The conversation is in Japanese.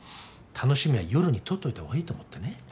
楽しみは夜にとっといた方がいいと思ってね。